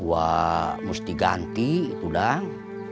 wak mesti ganti itu dang